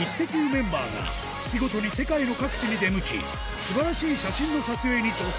メンバーが月ごとに世界の各地に出向き素晴らしい写真の撮影に挑戦